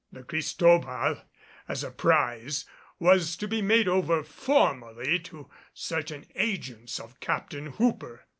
The Cristobal as a prize was to be made over formally to certain agents of Captain Hooper.